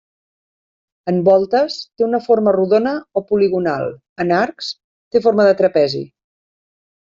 En voltes té una forma rodona o poligonal; en arcs té forma de trapezi.